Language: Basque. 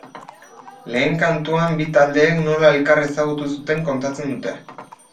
Lehen kantuan bi taldeek nola elkar ezagutu zuten kontatzen dute.